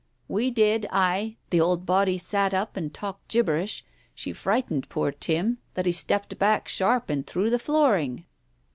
"We did, ay, and the old body sat up, and talked gibberish. She frightened poor Tim so that he stepped back sharp and through the flooring."